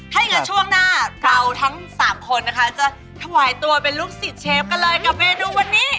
ถ้าอย่างนั้นช่วงหน้าเราทั้ง๓คนนะคะจะถวายตัวเป็นลูกศิษย์เชฟกันเลยกับเมนูวันนี้